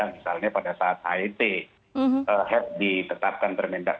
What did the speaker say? misalnya pada saat hit het ditetapkan termenda enam